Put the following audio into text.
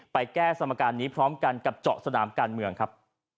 ไปแก้สมการนี้พร้อมกันกับเจาะสนามการเมืองครับ